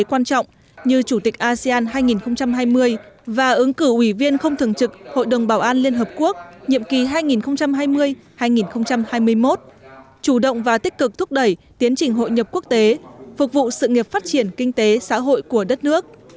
chủ tịch asean hai nghìn hai mươi và ứng cử ủy viên không thường trực hội đồng bảo an liên hợp quốc nhiệm kỳ hai nghìn hai mươi hai nghìn hai mươi một chủ động và tích cực thúc đẩy tiến trình hội nhập quốc tế phục vụ sự nghiệp phát triển kinh tế xã hội của đất nước